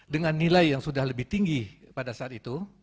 dengan nilai yang sudah lebih tinggi pada saat itu